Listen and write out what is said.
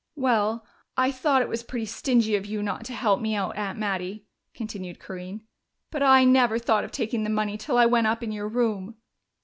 "Well, I thought it was pretty stingy of you not to help me out, Aunt Mattie," continued Corinne. "But I never thought of taking the money till I went up in your room."